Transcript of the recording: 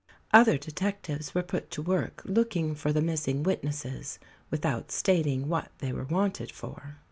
Other detectives were put to work looking for the missing witnesses, without stating what they were wanted for.